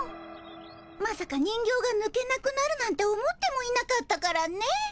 まさか人形がぬけなくなるなんて思ってもいなかったからね。